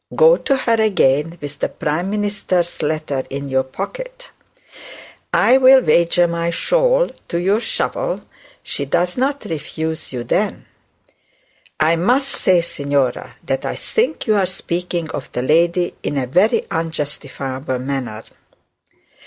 Go to her again with the prime minister's letter in your pocket. I'll wager my shawl to your shovel she does not refuse you then.' 'I must say, signora, that I think you are speaking of the lady in a very unjustifiable manner.'